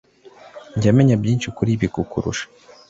Njya menya byinshi kuri ibi kukurusha.